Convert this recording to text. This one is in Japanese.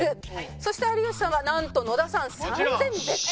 そして有吉さんはなんと野田さん３０００ＢＥＴ。